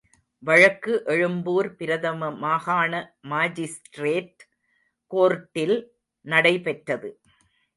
வழக்கு எழும்பூர் பிரதம மாகாண மாஜிஸ்ட்ரேட் கோர்ட்டில் நடைபெற்றது.